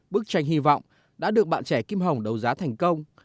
bức tranh hy vọng đã được bạn trẻ kim hồng đấu giá thành công